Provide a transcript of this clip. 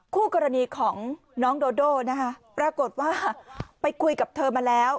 คู่กรณีของน้องโดโดนะคะปรากฏว่าไปคุยกับเธอมาแล้ว